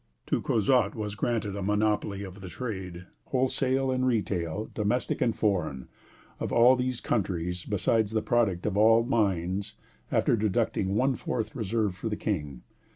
To Crozat was granted a monopoly of the trade, wholesale and retail, domestic and foreign, of all these countries, besides the product of all mines, after deducting one fourth reserved for the King.